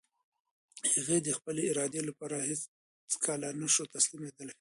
هغه د خپلې ارادې لپاره هېڅکله نه شو تسليمېدلی.